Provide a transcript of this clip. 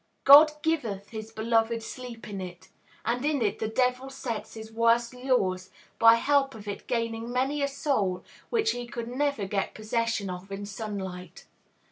God "giveth his beloved sleep" in it; and in it the devil sets his worst lures, by help of it gaining many a soul which he could never get possession of in sunlight.